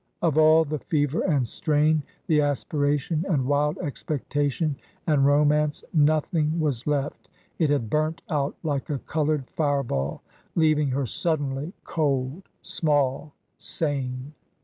Of all the fever and strain, the aspiration, and wild expectation and ro mance, nothing was left; ; it had burnt out like a coloured fire ball, leaving her suddenly cold, small, sane.